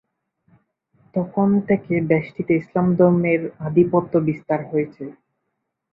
তখন থেকে দেশটিতে ইসলাম ধর্মের আধিপত্য বিস্তার হয়েছে।